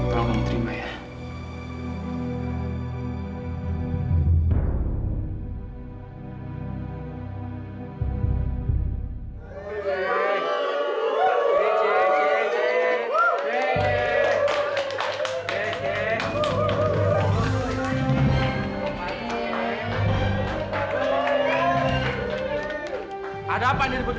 tolong kamu terima ayah